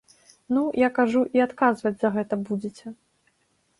Ну, я кажу, і адказваць за гэта будзеце.